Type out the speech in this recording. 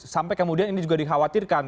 sampai kemudian ini juga dikhawatirkan